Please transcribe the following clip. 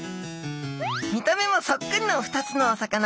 見た目もそっくりの２つのお魚。